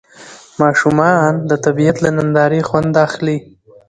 ماشومان د طبیعت له نندارې خوند اخلي